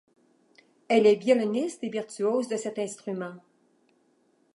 Elle est violoniste et virtuose de cet instrument.